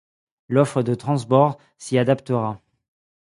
L'offre de Transbord s'y adaptera.